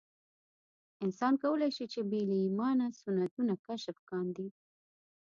انسان کولای شي چې بې له ایمانه سنتونه کشف کاندي.